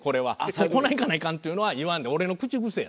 「とこないいかないかん」っていうのは言わんでええ。